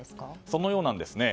そのようなんです。